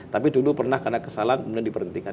tapi dulu pernah karena kesalahan benar benar diberhentikan